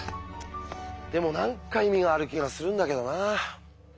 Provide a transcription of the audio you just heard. でも何か意味がある気がするんだけどなあ。